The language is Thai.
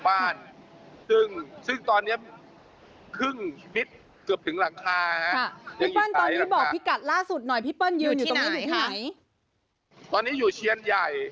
บ้านในอ่าวในอ่าวในอ่าว